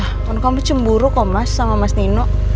akun kamu cemburu kok mas sama mas nino